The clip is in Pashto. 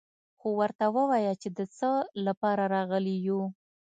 خو ورته ووايه چې د څه له پاره راغلي يو.